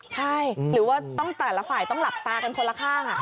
ใช่หรือว่าต้องแต่ละฝ่ายต้องหลับตากันคนละข้าง